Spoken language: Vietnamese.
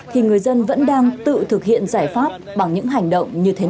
thì người dân vẫn đang tự thực hiện giải pháp bằng những hành động như thế nào